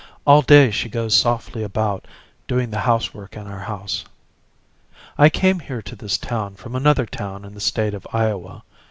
All day she goes softly about, doing the housework in our house. I came here to this town from another town in the state of Iowa.